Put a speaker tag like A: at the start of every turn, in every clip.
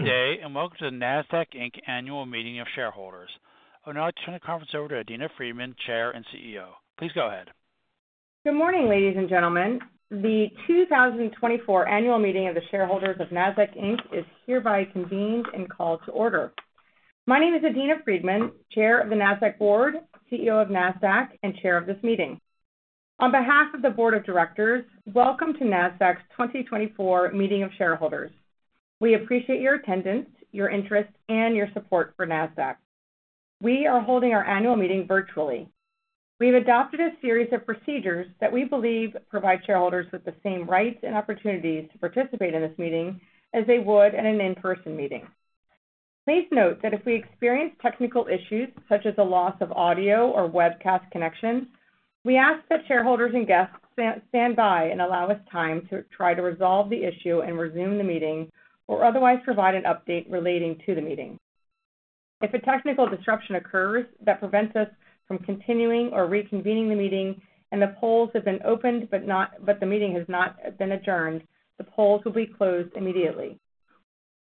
A: Good day, and welcome to the Nasdaq, Inc. annual meeting of shareholders. I'll now turn the conference over to Adena Friedman, Chair and CEO. Please go ahead.
B: Good morning, ladies and gentlemen. The 2024 annual meeting of the shareholders of Nasdaq, Inc. is hereby convened and called to order. My name is Adena Friedman, Chair of the Nasdaq Board, CEO of Nasdaq, and Chair of this meeting. On behalf of the Board of Directors, welcome to Nasdaq's 2024 meeting of shareholders. We appreciate your attendance, your interest, and your support for Nasdaq. We are holding our annual meeting virtually. We've adopted a series of procedures that we believe provide shareholders with the same rights and opportunities to participate in this meeting as they would in an in-person meeting. Please note that if we experience technical issues, such as a loss of audio or webcast connection, we ask that shareholders and guests stand by and allow us time to try to resolve the issue and resume the meeting or otherwise provide an update relating to the meeting. If a technical disruption occurs that prevents us from continuing or reconvening the meeting and the polls have been opened but the meeting has not been adjourned, the polls will be closed immediately.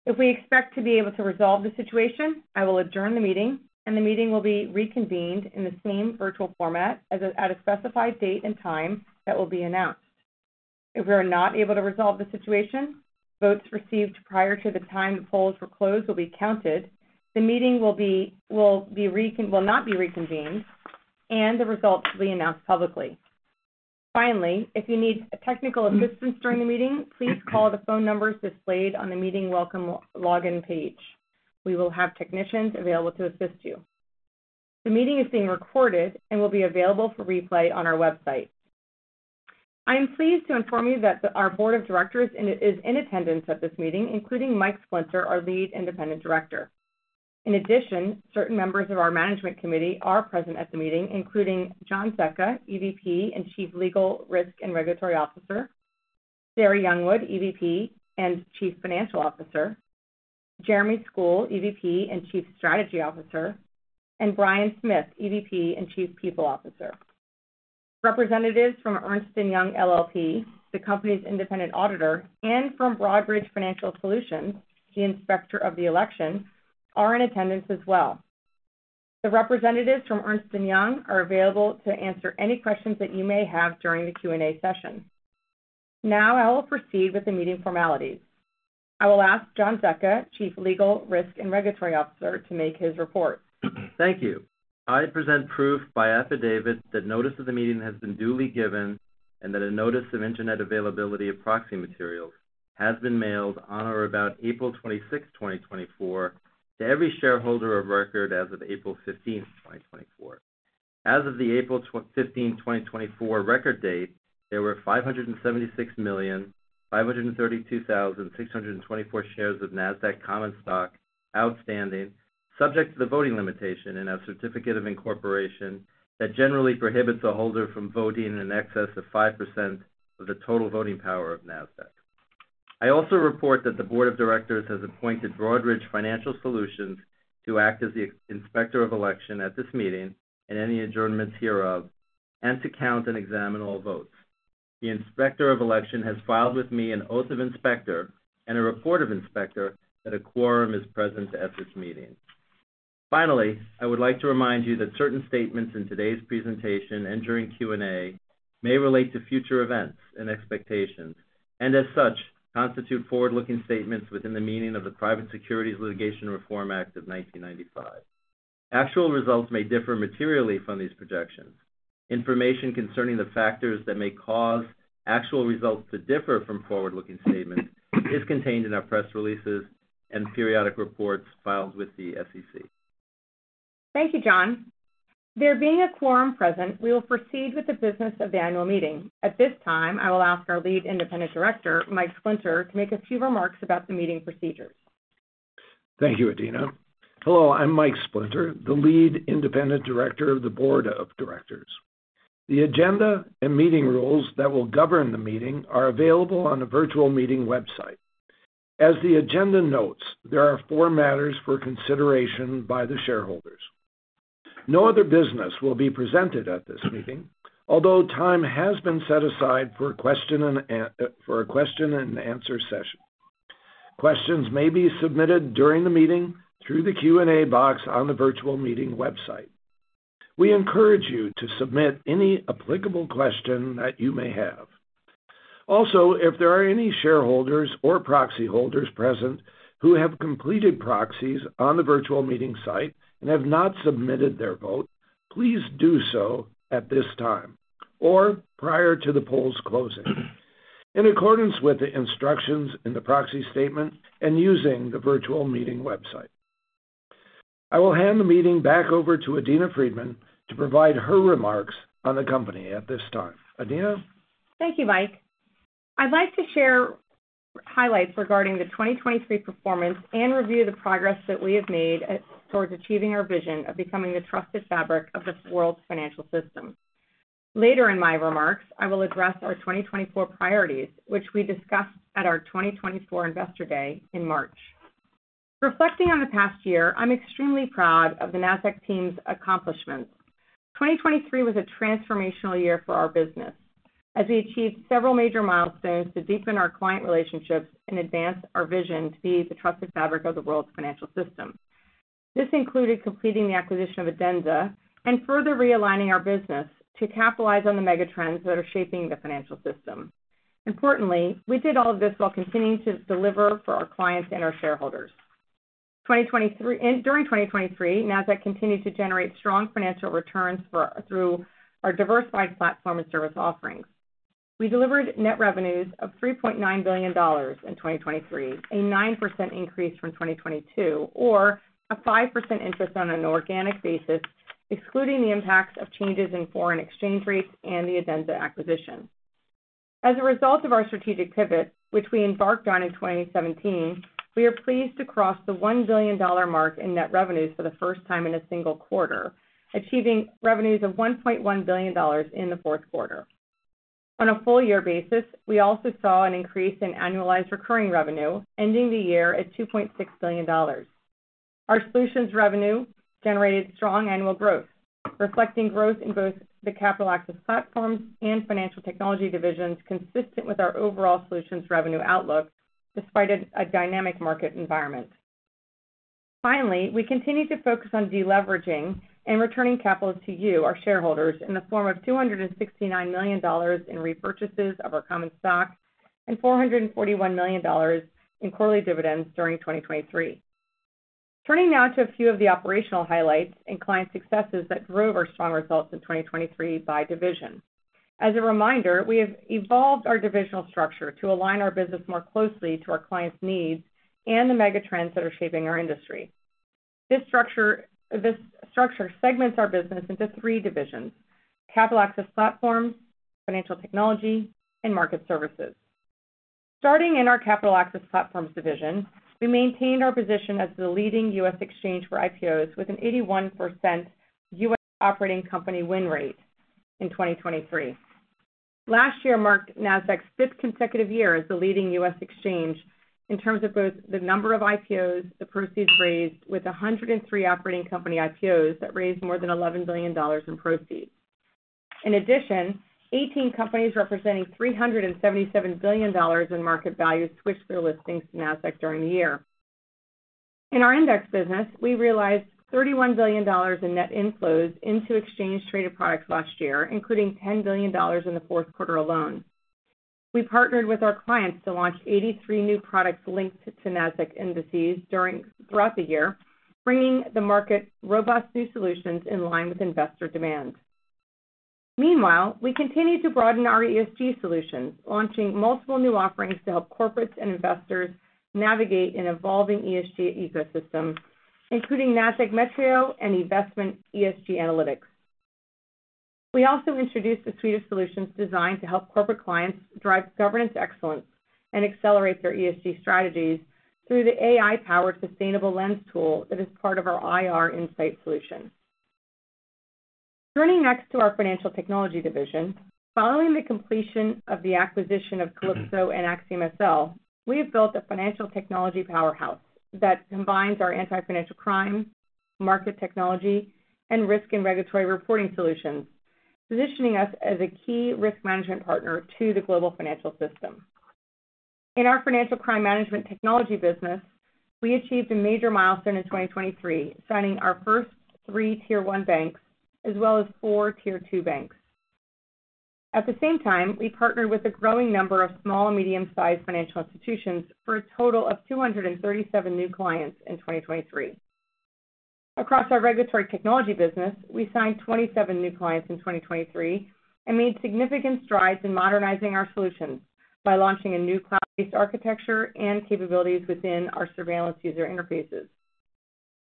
B: If we expect to be able to resolve the situation, I will adjourn the meeting, and the meeting will be reconvened in the same virtual format at a specified date and time that will be announced. If we are not able to resolve the situation, votes received prior to the time the polls were closed will be counted, the meeting will not be reconvened, and the results will be announced publicly. Finally, if you need technical assistance during the meeting, please call the phone numbers displayed on the meeting welcome login page. We will have technicians available to assist you. The meeting is being recorded and will be available for replay on our website. I am pleased to inform you that our Board of Directors is in attendance at this meeting, including Mike Splinter, our Lead Independent Director. In addition, certain members of our Management Committee are present at the meeting, including John Zecca, EVP and Chief Legal, Risk, and Regulatory Officer, Sarah Youngwood, EVP and Chief Financial Officer, Jeremy Skule, EVP and Chief Strategy Officer, and Bryan Smith, EVP and Chief People Officer. Representatives from Ernst & Young LLP, the company's independent auditor, and from Broadridge Financial Solutions, the inspector of the election, are in attendance as well. The representatives from Ernst & Young are available to answer any questions that you may have during the Q&A session. Now I will proceed with the meeting formalities. I will ask John Zecca, Chief Legal, Risk, and Regulatory Officer, to make his report.
C: Thank you. I present proof by affidavit that notice of the meeting has been duly given, and that a notice of internet availability of proxy materials has been mailed on or about April 26th, 2024, to every shareholder of record as of April 15th, 2024. As of the April 15th, 2024, record date, there were 576,532,624 shares of Nasdaq common stock outstanding, subject to the voting limitation in our certificate of incorporation that generally prohibits a holder from voting in excess of 5% of the total voting power of Nasdaq. I also report that the Board of Directors has appointed Broadridge Financial Solutions to act as the inspector of election at this meeting and any adjournments hereof, and to count and examine all votes. The inspector of election has filed with me an oath of inspector and a report of inspector that a quorum is present at this meeting. Finally, I would like to remind you that certain statements in today's presentation and during Q&A may relate to future events and expectations, and as such, constitute forward-looking statements within the meaning of the Private Securities Litigation Reform Act of 1995. Actual results may differ materially from these projections. Information concerning the factors that may cause actual results to differ from forward-looking statements is contained in our press releases and periodic reports filed with the SEC.
B: Thank you, John. There being a quorum present, we will proceed with the business of the annual meeting. At this time, I will ask our Lead Independent Director, Mike Splinter, to make a few remarks about the meeting procedures.
D: Thank you, Adena. Hello, I'm Mike Splinter, the Lead Independent Director of the Board of Directors. The agenda and meeting rules that will govern the meeting are available on the virtual meeting website. As the agenda notes, there are four matters for consideration by the shareholders. No other business will be presented at this meeting, although time has been set aside for a question and answer session. Questions may be submitted during the meeting through the Q&A box on the virtual meeting website. We encourage you to submit any applicable question that you may have. Also, if there are any shareholders or proxy holders present who have completed proxies on the virtual meeting site and have not submitted their vote, please do so at this time or prior to the polls closing, in accordance with the instructions in the proxy statement and using the virtual meeting website. I will hand the meeting back over to Adena Friedman to provide her remarks on the company at this time. Adena?
B: Thank you, Mike. I'd like to share highlights regarding the 2023 performance and review the progress that we have made at, towards achieving our vision of becoming the trusted fabric of the world's financial system. Later in my remarks, I will address our 2024 priorities, which we discussed at our 2024 Investor Day in March. Reflecting on the past year, I'm extremely proud of the Nasdaq team's accomplishments. 2023 was a transformational year for our business, as we achieved several major milestones to deepen our client relationships and advance our vision to be the trusted fabric of the world's financial system. This included completing the acquisition of Adenza, and further realigning our business to capitalize on the mega trends that are shaping the financial system. Importantly, we did all of this while continuing to deliver for our clients and our shareholders. 2023—and during 2023, Nasdaq continued to generate strong financial returns through our diversified platform and service offerings. We delivered net revenues of $3.9 billion in 2023, a 9% increase from 2022, or a 5% increase on an organic basis, excluding the impacts of changes in foreign exchange rates and the Adenza acquisition. As a result of our strategic pivot, which we embarked on in 2017, we are pleased to cross the $1 billion mark in net revenues for the first time in a single quarter, achieving revenues of $1.1 billion in the fourth quarter. On a full-year basis, we also saw an increase in annualized recurring revenue, ending the year at $2.6 billion. Our solutions revenue generated strong annual growth, reflecting growth in both the capital access platforms and financial technology divisions, consistent with our overall solutions revenue outlook, despite a dynamic market environment. Finally, we continued to focus on deleveraging and returning capital to you, our shareholders, in the form of $269 million in repurchases of our common stock and $441 million in quarterly dividends during 2023. Turning now to a few of the operational highlights and client successes that drove our strong results in 2023 by division. As a reminder, we have evolved our divisional structure to align our business more closely to our clients' needs and the mega trends that are shaping our industry. This structure segments our business into three divisions: Capital Access Platforms, Financial Technology, and Market Services. Starting in our Capital Access Platforms division, we maintained our position as the leading U.S. exchange for IPOs with an 81% U.S. operating company win rate in 2023. Last year marked Nasdaq's fifth consecutive year as the leading U.S. exchange in terms of both the number of IPOs, the proceeds raised, with 103 operating company IPOs that raised more than $11 billion in proceeds. In addition, 18 companies representing $377 billion in market value, switched their listings to Nasdaq during the year. In our index business, we realized $31 billion in net inflows into exchange traded products last year, including $10 billion in the fourth quarter alone. We partnered with our clients to launch 83 new products linked to Nasdaq indices throughout the year, bringing the market robust new solutions in line with investor demand. Meanwhile, we continued to broaden our ESG solutions, launching multiple new offerings to help corporates and investors navigate an evolving ESG ecosystem, including Nasdaq Metrio and eVestment ESG Analytics. We also introduced a suite of solutions designed to help corporate clients drive governance excellence, and accelerate their ESG strategies through the AI-powered Sustainable Lens tool that is part of our IR Insight solution. Turning next to our financial technology division. Following the completion of the acquisition of Calypso and AxiomSL, we have built a financial technology powerhouse that combines our anti-financial crime, market technology, and risk and regulatory reporting solutions, positioning us as a key risk management partner to the global financial system. In our financial crime management technology business, we achieved a major milestone in 2023, signing our first three Tier 1 banks, as well as four Tier 2 banks. At the same time, we partnered with a growing number of small and medium-sized financial institutions for a total of 237 new clients in 2023. Across our regulatory technology business, we signed 27 new clients in 2023, and made significant strides in modernizing our solutions by launching a new cloud-based architecture and capabilities within our surveillance user interfaces.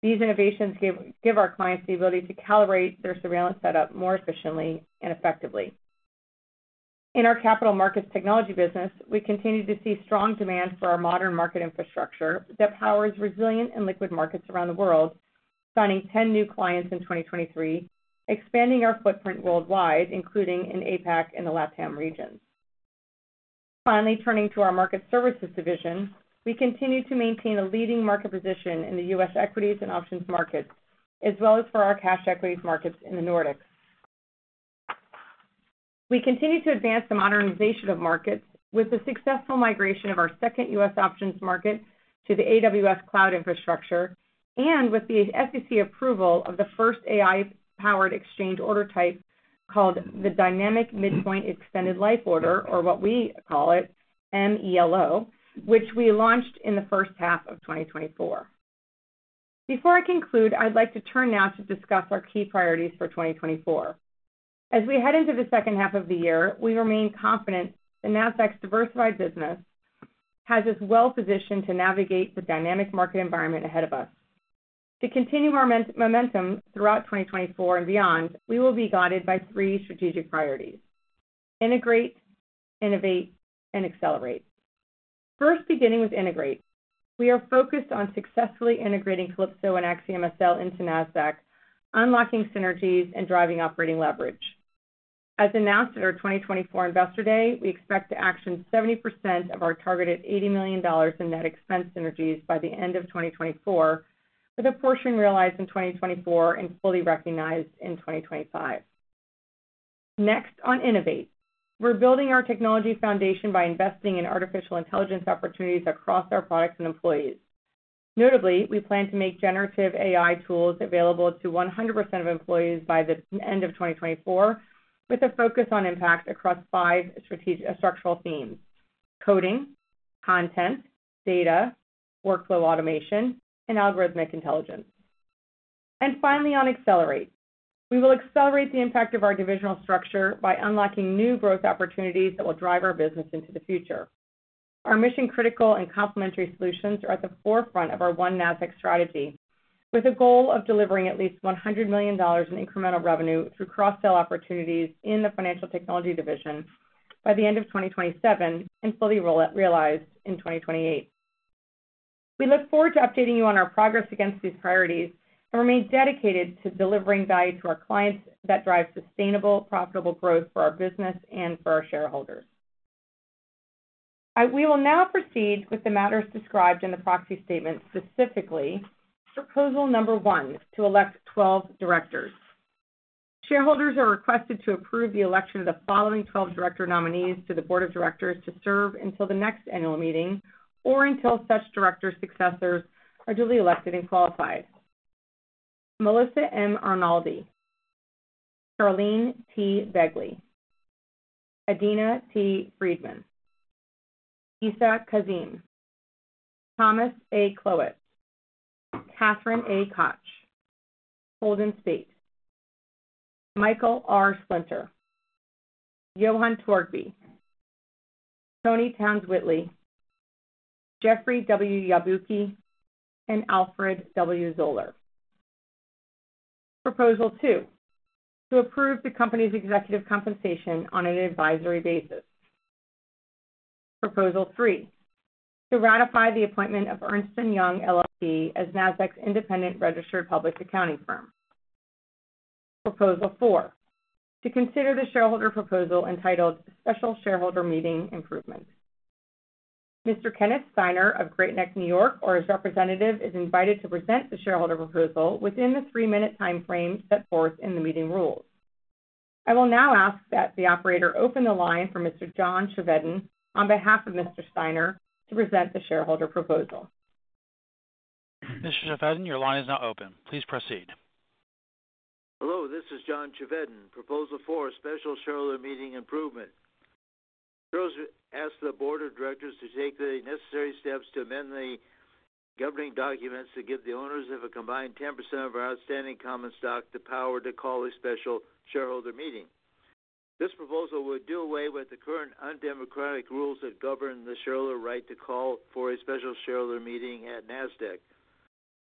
B: These innovations give our clients the ability to calibrate their surveillance setup more efficiently and effectively. In our capital markets technology business, we continue to see strong demand for our modern market infrastructure that powers resilient and liquid markets around the world, signing 10 new clients in 2023, expanding our footprint worldwide, including in APAC and the LATAM regions. Finally, turning to our market services division, we continue to maintain a leading market position in the U.S. equities and options markets, as well as for our cash equities markets in the Nordics. We continue to advance the modernization of markets with the successful migration of our second U.S. options market to the AWS Cloud infrastructure, and with the SEC approval of the first AI-powered exchange order type, called the Dynamic Midpoint Extended Life Order, or what we call it, MELO, which we launched in the first half of 2024. Before I conclude, I'd like to turn now to discuss our key priorities for 2024. As we head into the second half of the year, we remain confident that Nasdaq's diversified business has us well positioned to navigate the dynamic market environment ahead of us. To continue our momentum throughout 2024 and beyond, we will be guided by three strategic priorities: integrate, innovate, and accelerate. First, beginning with integrate, we are focused on successfully integrating Calypso and AxiomSL into Nasdaq, unlocking synergies and driving operating leverage. As announced at our 2024 Investor Day, we expect to action 70% of our targeted $80 million in net expense synergies by the end of 2024, with a portion realized in 2024 and fully recognized in 2025. Next, on innovate. We're building our technology foundation by investing in artificial intelligence opportunities across our products and employees. Notably, we plan to make generative AI tools available to 100% of employees by the end of 2024, with a focus on impact across five strategic structural themes: coding, content, data, workflow automation, and algorithmic intelligence. And finally, on accelerate. We will accelerate the impact of our divisional structure by unlocking new growth opportunities that will drive our business into the future. Our mission-critical and complementary solutions are at the forefront of our One Nasdaq strategy, with a goal of delivering at least $100 million in incremental revenue through cross-sell opportunities in the financial technology division by the end of 2027 and fully realized in 2028. We look forward to updating you on our progress against these priorities and remain dedicated to delivering value to our clients that drives sustainable, profitable growth for our business and for our shareholders. We will now proceed with the matters described in the proxy statement, specifically proposal number one, to elect 12 directors. Shareholders are requested to approve the election of the following 12 director nominees to the Board of Directors to serve until the next annual meeting or until such director successors are duly elected and qualified. Melissa M. Arnoldi, Charlene T. Begley, Adena T. Friedman, Essa Kazim, Thomas A. Kloet, Kathryn A. Koch, Holden Spaht, Michael R. Splinter, Johan Torgeby, Toni Townes-Whitley, Jeffery W. Yabuki, and Alfred W. Zollar. Proposal two, to approve the company's executive compensation on an advisory basis. Proposal three, to ratify the appointment of Ernst & Young LLP as Nasdaq's independent registered public accounting firm. Proposal four, to consider the shareholder proposal entitled Special Shareholder Meeting Improvements. Mr. Kenneth Steiner of Great Neck, New York, or his representative, is invited to present the shareholder proposal within the 3-minute time frame set forth in the meeting rules. I will now ask that the operator open the line for Mr. John Chevedden, on behalf of Mr. Steiner, to present the shareholder proposal.
A: Mr. Chevedden, your line is now open. Please proceed.
E: Hello, this is John Chevedden, proposal four, Special Shareholder Meeting Improvement. Ask the Board of Directors to take the necessary steps to amend the governing documents to give the owners of a combined 10% of our outstanding common stock the power to call a special shareholder meeting. This proposal would do away with the current undemocratic rules that govern the shareholder right to call for a special shareholder meeting at Nasdaq.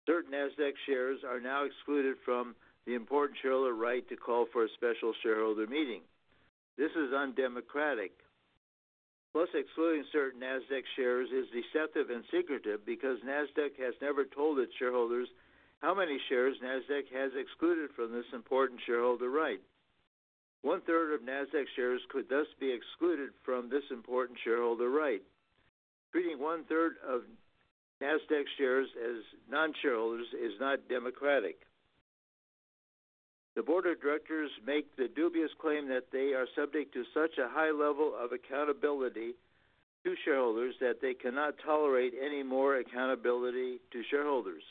E: Certain Nasdaq shares are now excluded from the important shareholder right to call for a special shareholder meeting. This is undemocratic, plus excluding certain Nasdaq shares is deceptive and secretive because Nasdaq has never told its shareholders how many shares Nasdaq has excluded from this important shareholder right. 1/3 of Nasdaq shares could thus be excluded from this important shareholder right. Treating 1/3 of Nasdaq shares as non-shareholders is not democratic. The Board of Directors make the dubious claim that they are subject to such a high level of accountability to shareholders, that they cannot tolerate any more accountability to shareholders.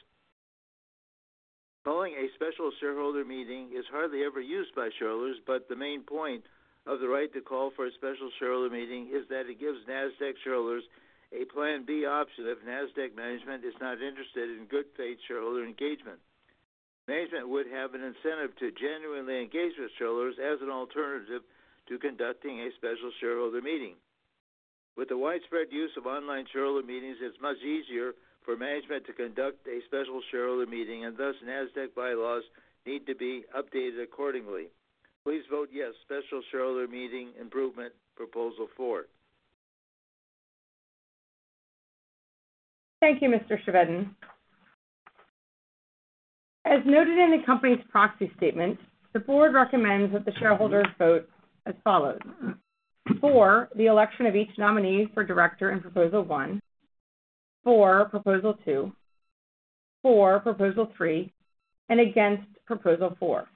E: Calling a special shareholder meeting is hardly ever used by shareholders, but the main point of the right to call for a special shareholder meeting is that it gives Nasdaq shareholders a plan B option if Nasdaq management is not interested in good faith shareholder engagement. Management would have an incentive to genuinely engage with shareholders as an alternative to conducting a special shareholder meeting. With the widespread use of online shareholder meetings, it's much easier for management to conduct a special shareholder meeting, and thus, Nasdaq bylaws need to be updated accordingly. Please vote yes, Special Shareholder Meeting Improvement, proposal four.
B: Thank you, Mr. Chevedden. As noted in the company's proxy statement, the Board recommends that the shareholders vote as follows: for the election of each nominee for director in proposal one, for proposal two, for proposal three, and against proposal four.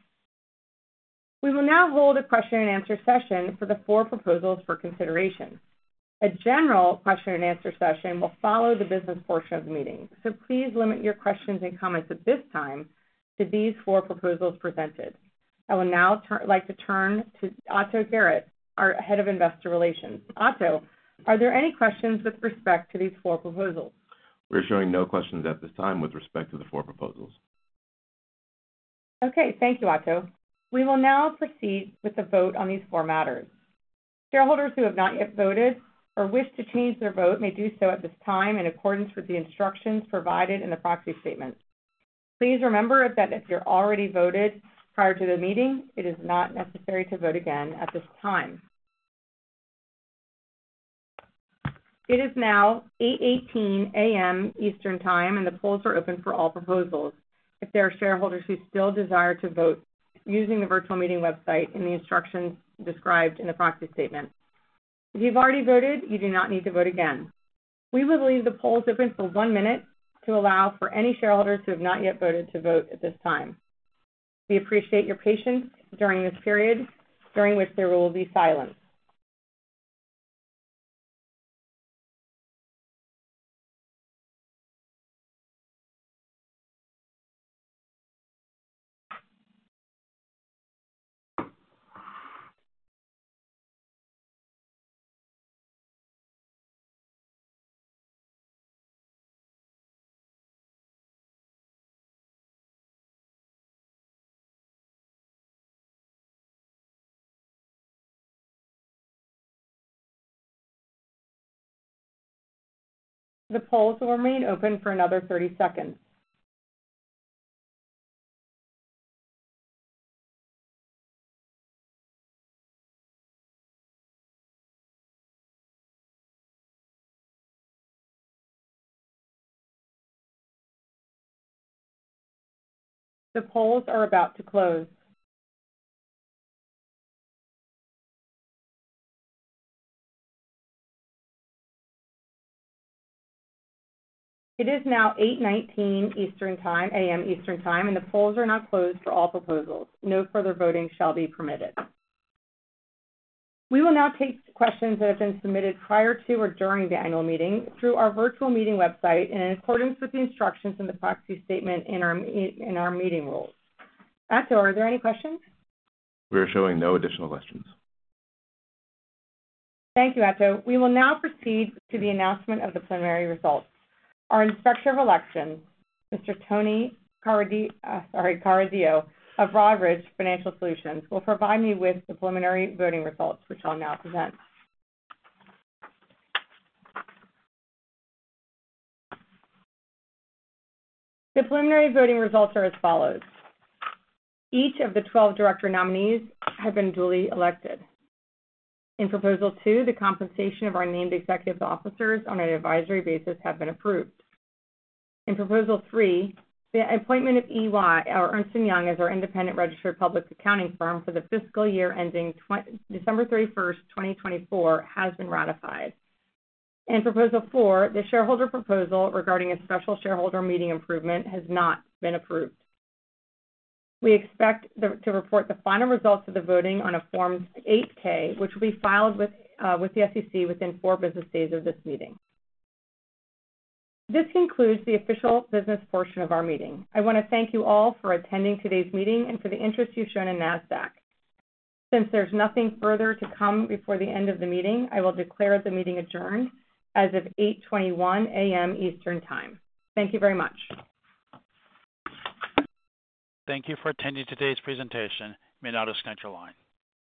B: We will now hold a question and answer session for the four proposals for consideration. A general question and answer session will follow the business portion of the meeting, so please limit your questions and comments at this time to these four proposals presented. I will now like to turn to Ato Garrett, our Head of Investor Relations. Ato, are there any questions with respect to these four proposals?
F: We're showing no questions at this time with respect to the four proposals.
B: Okay, thank you, Ato. We will now proceed with the vote on these four matters. Shareholders who have not yet voted or wish to change their vote may do so at this time in accordance with the instructions provided in the proxy statement. Please remember that if you're already voted prior to the meeting, it is not necessary to vote again at this time. It is now 8:18 A.M. Eastern Time, and the polls are open for all proposals. If there are shareholders who still desire to vote using the virtual meeting website in the instructions described in the proxy statement. If you've already voted, you do not need to vote again. We will leave the polls open for one minute to allow for any shareholders who have not yet voted to vote at this time. We appreciate your patience during this period, during which there will be silence. The polls will remain open for another 30 seconds. The polls are about to close. It is now 8:19 A.M. Eastern Time, and the polls are now closed for all proposals. No further voting shall be permitted. We will now take questions that have been submitted prior to or during the annual meeting through our virtual meeting website and in accordance with the instructions in the proxy statement in our meeting rules. Ato, are there any questions?
F: We are showing no additional questions.
B: Thank you, Ato. We will now proceed to the announcement of the preliminary results. Our Inspector of Elections, Mr. Tony Carideo of Broadridge Financial Solutions, will provide me with the preliminary voting results, which I'll now present. The preliminary voting results are as follows: Each of the 12 director nominees have been duly elected. In proposal two, the compensation of our named executive officers on an advisory basis have been approved. In proposal three, the appointment of EY or Ernst & Young as our independent registered public accounting firm for the fiscal year ending December 31st, 2024, has been ratified. In proposal four, the shareholder proposal regarding a special shareholder meeting improvement has not been approved. We expect to report the final results of the voting on a Form 8-K, which will be filed with the SEC within four business days of this meeting. This concludes the official business portion of our meeting. I want to thank you all for attending today's meeting and for the interest you've shown in Nasdaq. Since there's nothing further to come before the end of the meeting, I will declare the meeting adjourned as of 8:21 A.M. Eastern Time. Thank you very much.
A: Thank you for attending today's presentation. You may now disconnect your line.